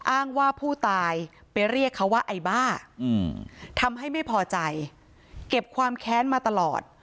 อ้างว่าผู้ตายไปเรียกเขาว่าไอ้บ้าทำให้ไม่พอใจเก็บความแค้นมาตลอด